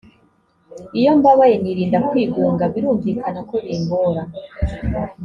iyo mbabaye nirinda kwigunga birumvikana ko bingora